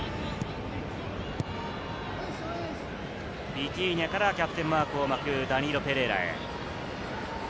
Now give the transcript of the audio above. ビティーニャからキャプテンマークを巻く、ダニーロ・ペレイラへ。